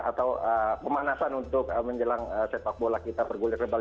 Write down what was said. atau kemanasan untuk menjelang sepak bola kita bergulir gulir